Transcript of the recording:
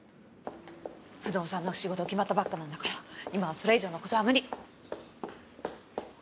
不動産の仕事決まったばっかなんだから今はそれ以上の事は無理！